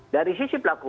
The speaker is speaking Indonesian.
dari sisi pelakunya